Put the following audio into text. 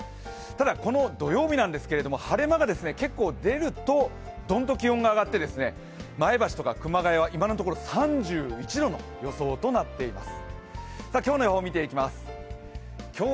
ただこの土曜日なんですけど晴れ間が結構出るとドンと気温が上がって前橋とか熊谷は今のところ３１度の予想となっています。